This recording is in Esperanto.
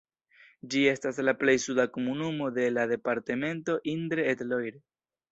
Ĝi estas la plej suda komunumo de la departemento Indre-et-Loire.